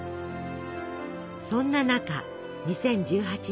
そんな中２０１８年。